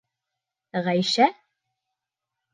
Ғәйшә?